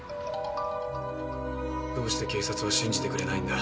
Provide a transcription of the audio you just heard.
どうして警察は信じてくれないんだ？